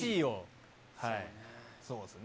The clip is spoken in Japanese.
そうですね。